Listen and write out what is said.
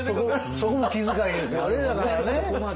そこも気遣いですよねだからね。